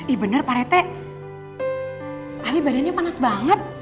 ih bener pak rete ali badannya panas banget